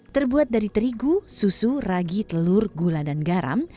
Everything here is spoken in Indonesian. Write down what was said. terbuat dari terigu susu ragi telur gula dan garam